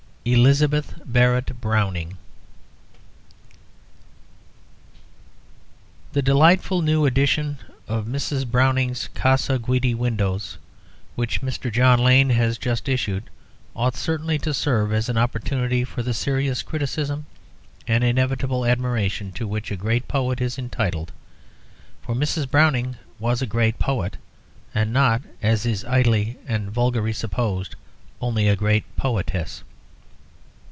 ELIZABETH BARRETT BROWNING The delightful new edition of Mrs. Browning's "Casa Guidi Windows" which Mr. John Lane has just issued ought certainly to serve as an opportunity for the serious criticism and inevitable admiration to which a great poet is entitled. For Mrs. Browning was a great poet, and not, as is idly and vulgarly supposed, only a great poetess.